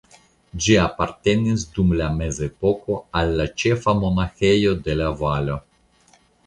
Ĝi apartenis dum la Mezepoko al la ĉefa monaĥejo de la valo.